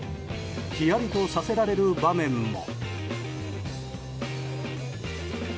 ヒヤリとさせられる場面も。